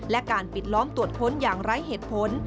และการปิดล้อมตรวจค้นอย่างไร้เหตุผล